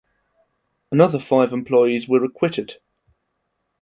Another five employees were acquitted.